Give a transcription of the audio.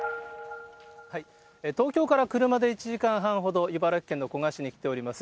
東京から車で１時間半ほど、茨城県の古河市に来ております。